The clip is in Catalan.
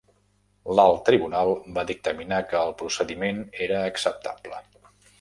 L'Alt Tribunal va dictaminar que el procediment era acceptable.